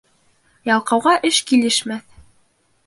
Ялҡауға эш килешмәҫ.